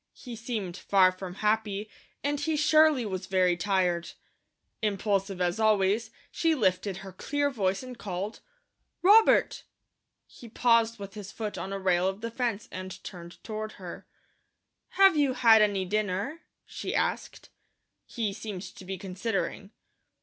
He seemed far from happy, and he surely was very tired. Impulsive as always, she lifted her clear voice and called: "Robert!" He paused with his foot on a rail of the fence, and turned toward her. "Have you had any dinner?" she asked. He seemed to be considering.